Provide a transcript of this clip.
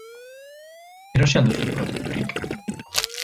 Erosi al duzu produkturik?